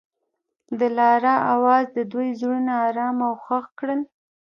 د لاره اواز د دوی زړونه ارامه او خوښ کړل.